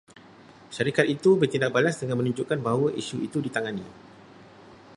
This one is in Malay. Syarikat itu bertindak balas dengan menunjukkan bahawa isu itu ditangani